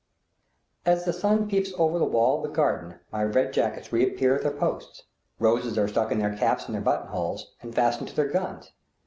As the sun peeps over the wall of the garden my red jackets reappear at their post; roses are stuck in their caps' and their buttonholes, and fastened to their guns.